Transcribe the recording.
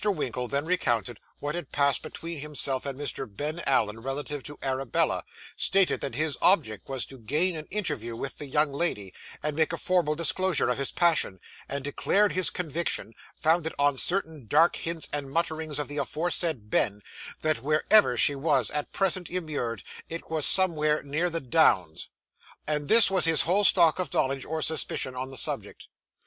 Winkle then recounted what had passed between himself and Mr. Ben Allen, relative to Arabella; stated that his object was to gain an interview with the young lady, and make a formal disclosure of his passion; and declared his conviction, founded on certain dark hints and mutterings of the aforesaid Ben, that, wherever she was at present immured, it was somewhere near the Downs. And this was his whole stock of knowledge or suspicion on the subject.